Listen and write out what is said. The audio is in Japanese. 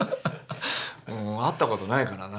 会ったことないからな。